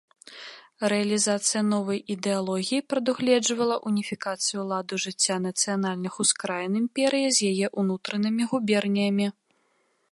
Рэалізацыя новай ідэалогіі прадугледжвала уніфікацыю ладу жыцця нацыянальных ускраін імперыі з яе ўнутранымі губернямі.